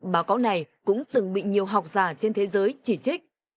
báo cáo này cũng từng bị nhiều học giả trên thế giới chỉ trích